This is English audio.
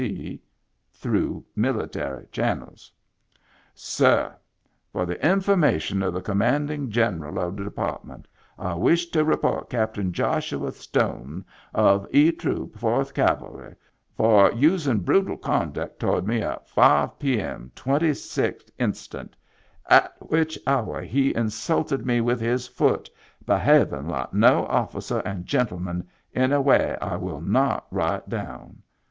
T. (Through Military Channels,) " Sir. — For the information of the commanding general of the department, I wish to report Cap tain Joshua Stone of E Troop 4th Cavalry for using brutal conduct toward me at 5 p.m. 26th inst., at witch hour he insulted me with his foot behaiving like no officer and gentleman in a way I will not rite down.